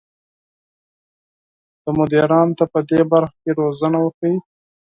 دا مدیرانو ته پدې برخه کې روزنه ورکوي.